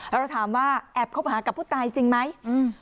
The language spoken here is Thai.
เราถามว่าแอบคบหากับผู้ตายจริงไหมอืม